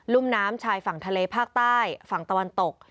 ุ่มน้ำชายฝั่งทะเลภาคใต้ฝั่งตะวันตก